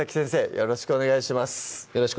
よろしくお願いします